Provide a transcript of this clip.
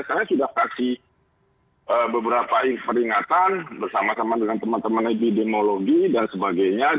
saya sudah kasih beberapa peringatan bersama sama dengan teman teman epidemiologi dan sebagainya